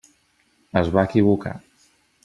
Es va equivocar.